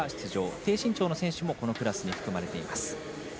低身長の選手もこのクラスに含まれています。